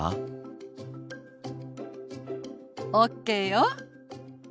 ＯＫよ。